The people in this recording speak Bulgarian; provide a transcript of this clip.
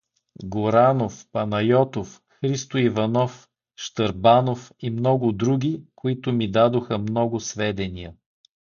Горанов, Панайотов, Христо Иванов, Щърбанов и много други, които ми дадоха много сведения.